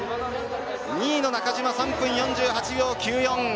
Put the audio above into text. ２位の中島３分４８秒９４。